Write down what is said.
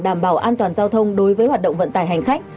đảm bảo an toàn giao thông đối với hoạt động vận tải hành khách